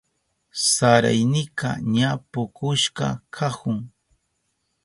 Saraynika ña pukushka kahun.